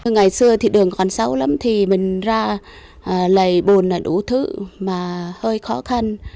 ngày xưa thì đường còn sáu lắm thì mình ra lầy bùn là đủ thứ mà hơi khó khăn